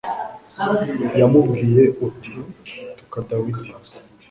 wamubwiye uti tuka dawidi